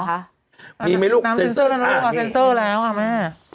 น้ำเซ็นเซอร์น้ำเซ็นเซอร์ก่อนเซ็นเซอร์แล้วอะแม่